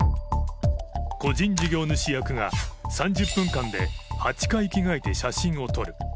個人事業主役が３０分間で８回着替えて写真を撮る。